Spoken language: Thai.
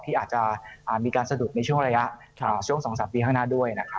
ที่อาจจะมีการสะดุดในช่วงระยะช่วง๒๓ปีข้างหน้าด้วยนะครับ